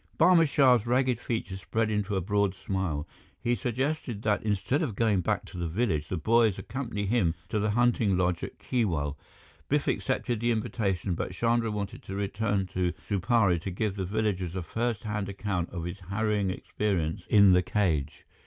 Barma Shah's ragged features spread into a broad smile. He suggested that instead of going back to the village, the boys accompany him to the hunting lodge at Keewal. Biff accepted the invitation, but Chandra wanted to return to Supari to give the villagers a first hand account of his harrowing experience in the cage.